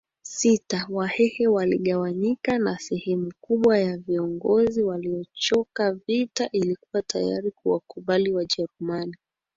sita Wahehe waligawanyika na sehemu kubwa ya viongozi waliochoka vita ilikuwa tayari kuwakubali Wajerumani